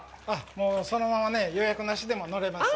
もうそのままね、予約なしでも乗れます。